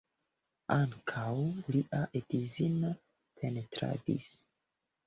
Ankaŭ lia edzino pentradis.